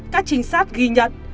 các trinh sát ghi nhận